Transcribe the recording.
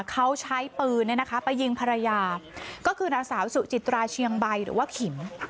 เขาใช้ปืนไปยิงภรรยาก็คือนางสาวสุจิตราเชียงใบหรือว่าขิม